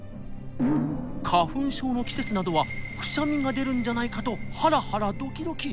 花粉症の季節などはくしゃみが出るんじゃないかとハラハラドキドキ！